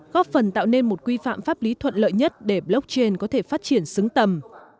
góp phần tạo nên một quy phạm pháp lý thuận lợi nhất để blockchain có thể phát triển xứng tầm